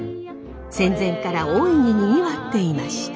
戦前から大いににぎわっていました。